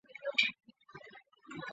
金祝专线是上海市的一条公交路线。